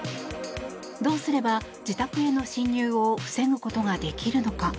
どうすれば自宅への侵入を防ぐことができるのか。